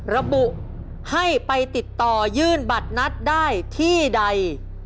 ระบุให้ไปติดต่อยื่นบัตรนัดได้ที่ใด